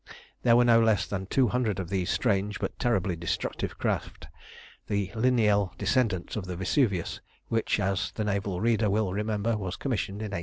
There were no less than two hundred of these strange but terribly destructive craft, the lineal descendants of the Vesuvius, which, as the naval reader will remember, was commissioned in 1890.